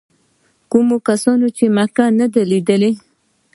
کوم کسان چې مکه نه ده لیدلې.